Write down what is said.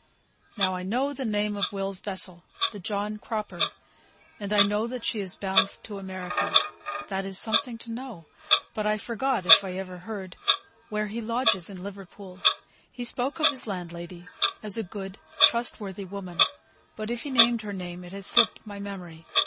"Now I know the name of Will's vessel the John Cropper; and I know that she is bound to America. That is something to know. But I forget, if I ever heard, where he lodges in Liverpool. He spoke of his landlady, as a good, trustworthy woman; but if he named her name, it has slipped my memory.